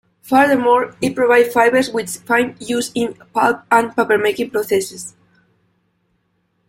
Furthermore, it provides fibers which find use in pulp and papermaking processes.